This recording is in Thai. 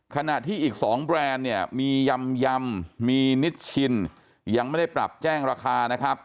ขณะที่อีก๒แบรนด์เนี่ยมียำมีนิดชินยังไม่ได้ปรับแจ้งราคานะครับ